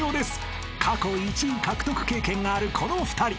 ［過去１位獲得経験があるこの２人］